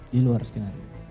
di luar skenario